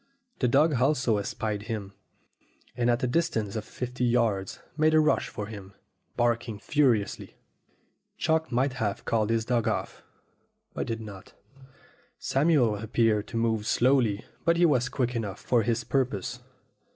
The dog also espied him, and at a distance of fifty yards made a rush for him, barking furiously. Chalk might have called his dog off, but did not. Samuel appeared to move slowly, but he was quick enough for his purpose.